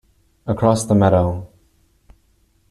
Across the meadow.